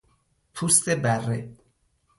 پوست بره